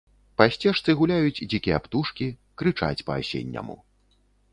Па сцежцы гуляюць дзікія птушкі, крычаць па-асенняму.